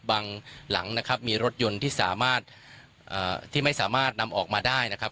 หลังนะครับมีรถยนต์ที่สามารถที่ไม่สามารถนำออกมาได้นะครับ